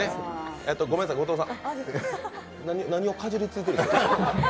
ごめんなさい、後藤さん何をかじりついてるんですか。